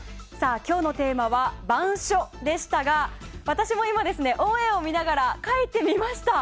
今日のテーマは板書でしたが私も今、オンエアを見ながら書いてみました。